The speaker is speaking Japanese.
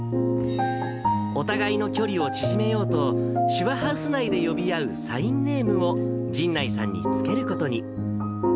お互いの距離を縮めようと、しゅわハウス内で呼び合うサインネームを神内さんに付けることに。